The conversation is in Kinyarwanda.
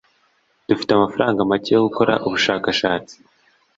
dufite amafaranga make yo gukora ubushakashatsi.